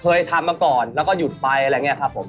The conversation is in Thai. เคยทำมาก่อนแล้วก็หยุดไปอะไรอย่างนี้ครับผม